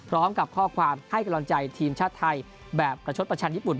พร้อมกับข้อความให้กำลังใจทีมชาติไทยแบบประชดประชันญี่ปุ่น